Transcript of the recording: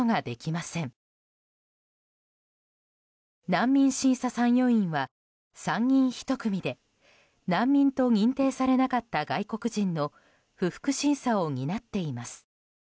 難民審査参与員は３人１組で難民と認定されなかった外国人の不服審査を担っています。